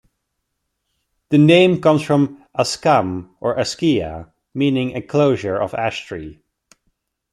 The name comes from "ascam" or "ascha" meaning "enclosure of ash-tree".